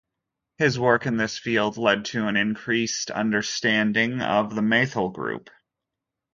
His work in this field led to an increased understanding of the methyl group.